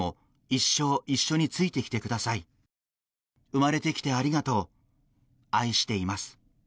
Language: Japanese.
生まれてきてありがとう愛しています。